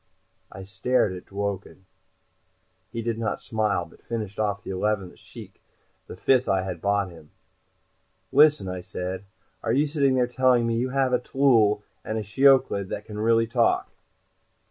I started at Dworken. He did not smile, but finished off the eleventh shchikh the fifth I had bought him. "Listen," I said. "Are you sitting there telling me you have a tllooll and a shiyooch'iid that can really talk?"